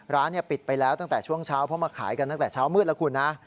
ร้านปิดไปแล้วตั้งแต่ช่วงเช้าเพราะมาขายกันตั้งแต่เช้ามืดแล้วคุณนะ